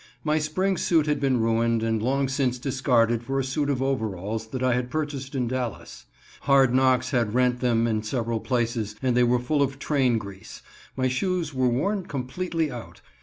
My spring suit had been ruined, and long since discarded for a suit of overalls that I had purchased in Dallas. Hard knocks had rent them in several places, and they were full of train grease. My shoes were worn completely out.